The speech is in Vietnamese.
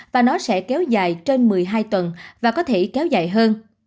và nó sẽ kéo dài trên một mươi hai tuần và có thể kéo dài hơn